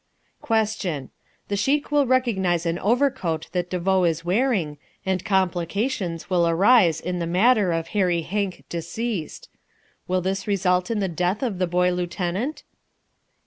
Question. The Sheik will recognize an overcoat that De Vaux is wearing, and complications will arise in the matter of Hairy Hank deceased. Will this result in the death of the boy lieutenant?